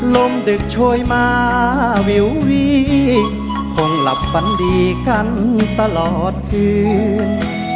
ดึกโชยมาวิววีคงหลับฝันดีกันตลอดคืน